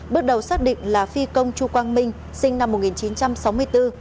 bước đầu xác định là phi công chu quang minh sinh năm một nghìn chín trăm sáu mươi bốn